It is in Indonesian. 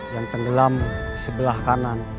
yang tenggelam sebelah kanan